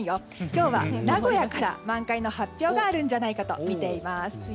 今日は名古屋から満開の発表があるんじゃないかとみています。